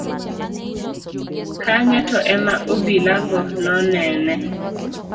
kanye to ema obila go noneno